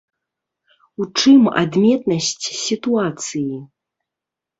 У чым адметнасць сітуацыі?